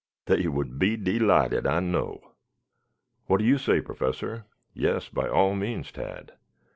"They would be delighted, I know." "What do you say, Professor?" "Yes, by all means, Tad."